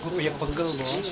gue banyak bengkel dong